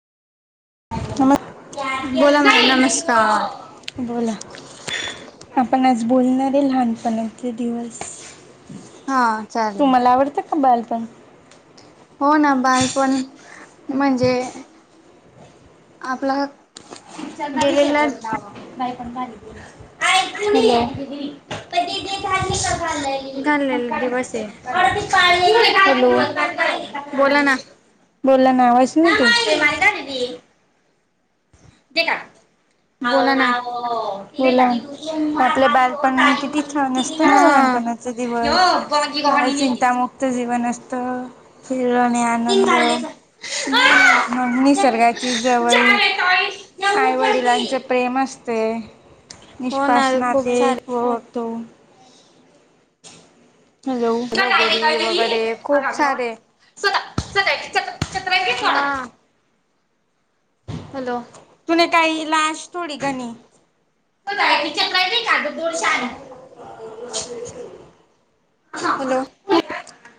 नमत बोला मॅम नमस्कार बोला आपण आज बोलणारे लहानपणाचे दिवस. हा चालेल तुम्हाला आवडतं का बालपण हो ना बायपण म्हणजे आपला पिक्चर ना विषय गेलेला बोल ना बाईपण भारी हॅलो घाललेला दिवस आहे हॅलो बोल नावाज. रे मालदादी. बोला ना बला आपलं बालपण किती छान असतं ना हा लहानपणाचा दिवस चिंतामुक्त जीवन असत. तर. तिळणे आनंद मगमी स्वर्गाची जवळ. आई वडिलांचे प्रेम असते हो ना निष्पास खूप नाते सारे व. बघतो. गरी वगैरे खूप सारे. सदा सदाची त छत्र थोड. हॅलो. कोणेताही लास्ट. थोडी कनी चक्र कागद दोडशे आणि हॅलो [unintelligible]